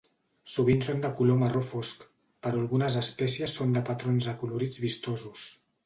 Sovint són de color marró fosc, però algunes espècies són de patrons acolorits vistosos.